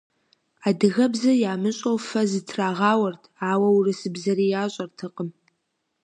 Адыгэбзэ ямыщӏэу фэ зытрагъауэрт, ауэ урысыбзэри ящӏэртэкъым.